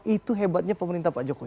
itu hebatnya pemerintah pak jokowi